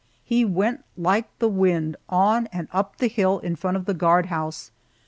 He went like the wind, on and up the hill in front of the guard house.